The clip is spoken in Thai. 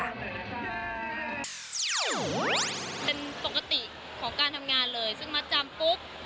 เป็นปกติของการทำงานเลยซึ่งมัดจำปุ๊บ